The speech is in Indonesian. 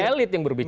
elit yang berbicara